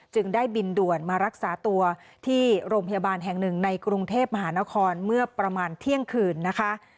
ได้บินด่วนมารักษาตัวที่โรงพยาบาลแห่งหนึ่งในกรุงเทพมหานครเมื่อประมาณเที่ยงคืนนะคะ